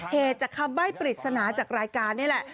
เหตุจากคำใบ้ปริศนาจากรายการนี่แหละ